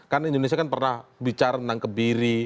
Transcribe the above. kan indonesia kan pernah bicara tentang kebiri